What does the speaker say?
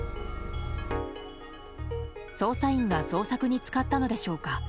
捜査員が捜索に使ったのでしょうか。